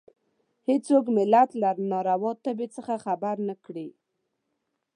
هېڅوک ملت له ناروا تبې څخه خبر نه کړي.